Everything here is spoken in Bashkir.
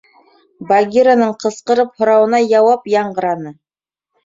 — Багираның ҡысҡырып һорауына яуап яңғыраны.